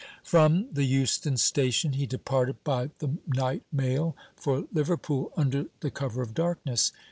From the Euston Station he departed by the night mail for Liverpool, under the cover of darkness.